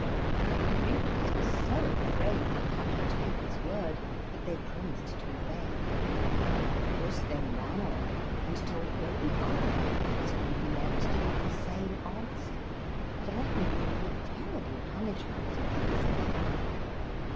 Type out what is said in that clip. The reapers were so afraid the cat would keep his word that they promised to obey. Puss then ran on and told all the other laborers whom he met to give the same answer, threatening them with terrible punishments if they disobeyed.